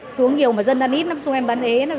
xuống nhiều mà dân ăn ít chúng em bán ế